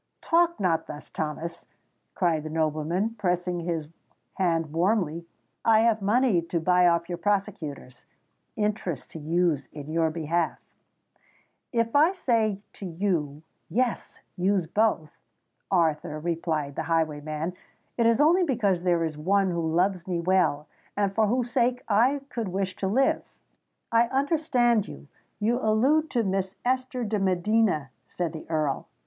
"Talk not thus, Thomas!" cried the nobleman, pressing his hand warmly. "I have money to buy off your prosecutors—interest to use in your behalf——" "If I say to you, 'Yes, use both,' Arthur," replied the highwayman, "it is only because there is one who loves me well, and for whose sake I could wish to live." "I understand you—you allude to Miss Esther de Medina," said the Earl.